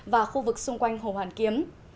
và khu vực xung quanh hồ hoàn kiếm